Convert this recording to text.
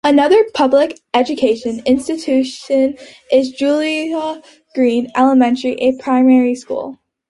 Another public educational institution is Julia Green Elementary School, a primary school.